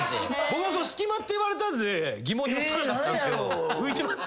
僕も隙間って言われたんで疑問に思わなかったんですけど浮いてます。